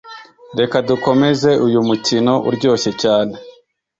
Reka dukomeze uyu mukino uryoshye cyane